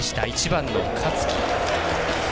１番の香月。